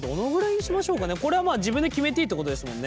これは自分で決めていいってことですもんね？